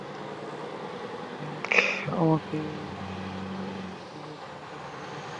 Frank আমাকে স্যামের সম্পর্কে বলেছে।